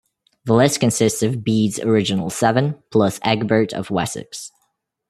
The list consists of Bede's original seven, plus Egbert of Wessex.